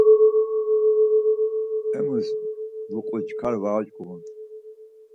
Emus luqu çkar var uç̌ǩomun.